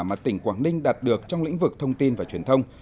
mà tỉnh quảng ninh đạt được trong lĩnh vực thông tin và truyền thông